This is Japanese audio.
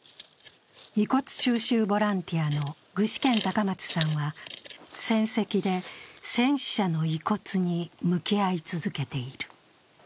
遺骨収集ボランティアの具志堅隆松さんは、戦跡で戦死者の遺骨に向き合い続けている。